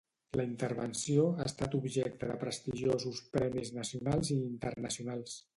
La intervenció ha estat objecte de prestigiosos premis nacionals i internacionals.